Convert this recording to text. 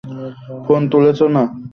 Phone তুলছে না।